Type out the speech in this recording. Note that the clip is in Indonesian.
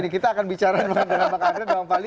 kita akan bicara dengan pak adrian dan pak ali